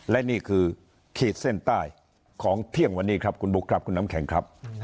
และนี่คือขีดเส้นใต้ของเที่ยงวันนี้ครับคุณบุ๊คครับคุณน้ำแข็งครับ